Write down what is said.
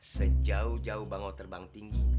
sejauh jauh bangau terbang tinggi